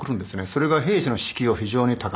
それが兵士の士気を非常に高めると。